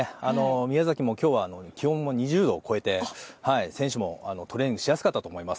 宮崎は今日は気温２０度を超えて選手も、トレーニングしやすかったと思います。